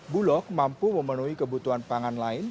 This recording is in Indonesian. bulog mampu memenuhi kebutuhan pangan lain